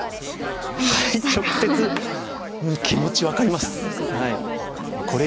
直接気持ち分かります。